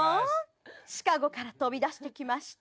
シカゴから飛び出してきました。